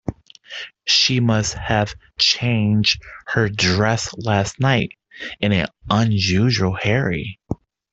She must have changed her dress last night in an unusual hurry.